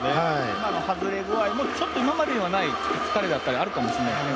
外れ具合も今までにはない疲れだったりあるかもしれないですね。